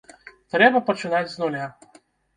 Трэба пачынаць з нуля.